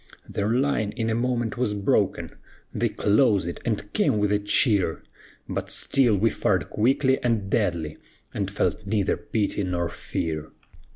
Their line in a moment was broken; They closed it, and came with a cheer; But still we fired quickly and deadly, And felt neither pity nor fear.